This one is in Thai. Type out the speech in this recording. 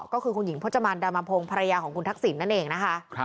ก็คือคุณหญิงพจมันดามพงศ์ภรรยาของคุณทักษิณนั่นเองนะคะ